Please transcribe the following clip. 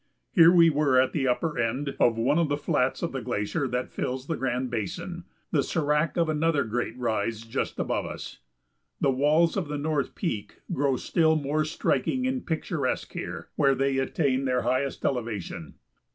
Here we were at the upper end of one of the flats of the glacier that fills the Grand Basin, the sérac of another great rise just above us. The walls of the North Peak grow still more striking and picturesque here, where they attain their highest elevation.